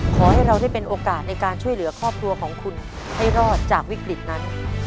ขอให้เราได้เป็นโอกาสในการช่วยเหลือครอบครัวของคุณให้รอดจากวิกฤตนั้น